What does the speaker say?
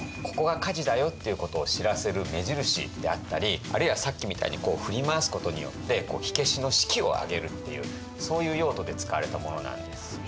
「ここが火事だよ」っていうことを知らせる目印であったりあるいはさっきみたいにこう振り回すことによって火消しの士気をあげるっていうそういう用途で使われたものなんです。